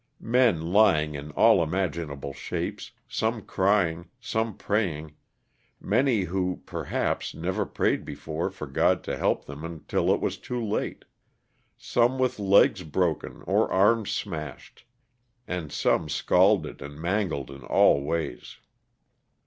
Men lying in all imaginable shapes, some crying, some praying, many who, perhaps, never prayed before for God to help them until it was too late ; some with legs broken, or arms smashed, and some scalded and mangled in all ways.